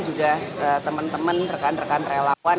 juga teman teman rekan rekan relawan